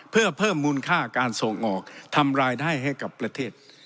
เพื่อเพิ่มมูลค่าการส่งออกทำรายได้ให้กับประเทศ